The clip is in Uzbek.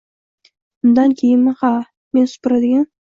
Undankeyinmi? Ha… Men supuradigan